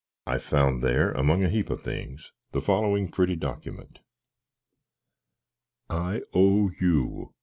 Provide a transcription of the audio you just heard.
I found there, among a heap of things, the following pretty dockyment: ++| I. O. U.